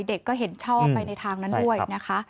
เด็กก็เห็นชอบไปในทางนั้นด้วยนะคะ